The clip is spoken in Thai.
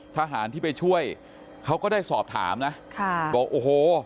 ทหารที่ไปช่วยเขาก็ได้สอบถามนะค่ะบอกโอ้โห